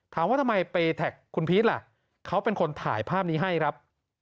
ถามว่าทำไมไปแท็กคุณพีชล่ะเขาเป็นคนถ่ายภาพนี้ให้ครับ